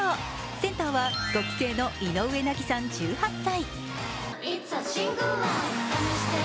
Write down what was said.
センターは５期生の井上和さん１８歳。